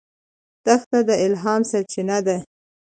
دښته د الهام سرچینه ده.